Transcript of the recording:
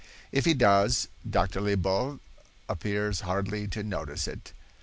If he does, Dr. Liebault appears hardly to notice it.